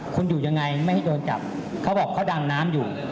คุณอยู่ยังไงไม่ให้โดนจับเขาบอกเขาดำน้ำอยู่